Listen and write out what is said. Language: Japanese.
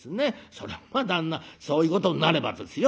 そりゃまあ旦那そういうことになればですよ